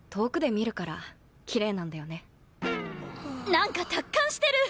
なんか達観してる！